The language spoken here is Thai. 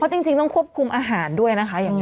เพราะจริงต้องควบคุมอาหารด้วยนะคะ